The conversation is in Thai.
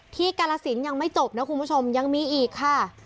กาลสินยังไม่จบนะคุณผู้ชมยังมีอีกค่ะ